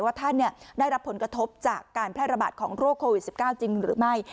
ว่าท่านได้รับผลกระทบจากการแพร่ระบาดของโรคโควิด๑๙จริงหรือไม่